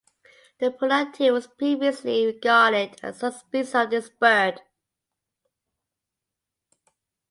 The Puna teal was previously regarded as a subspecies of this bird.